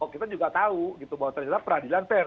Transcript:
kita juga tahu gitu bahwa ternyata peradilan fair